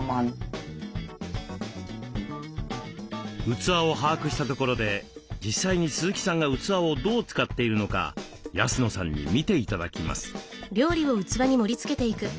器を把握したところで実際に鈴木さんが器をどう使っているのか安野さんに見て頂きます。